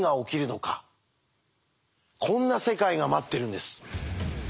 こんな世界が待ってるんです。